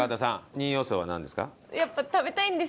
２位予想はなんですか？